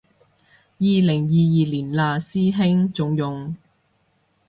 二零二二年嘞師兄，仲用